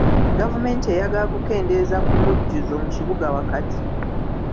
Gavumenti eyagala kukendeeza ku mujjuzo kibuga wakati.